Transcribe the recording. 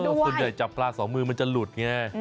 แล้วส่วนใหญ่จับปลาสองมือมันจะหลุดไง